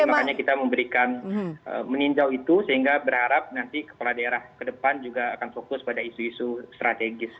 makanya kita memberikan meninjau itu sehingga berharap nanti kepala daerah ke depan juga akan fokus pada isu isu strategis